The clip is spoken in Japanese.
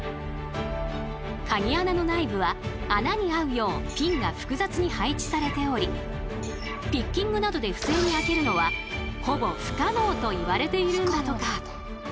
カギ穴の内部は穴に合うようピンが複雑に配置されておりピッキングなどで不正に開けるのはほぼ不可能といわれているんだとか。